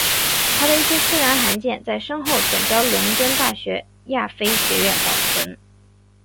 他的一些私人函件在身后转交伦敦大学亚非学院保存。